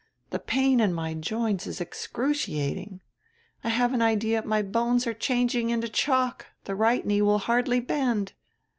The pain in my joints is excruciating; I have an idea my bones are changing into chalk; the right knee will hardly bend."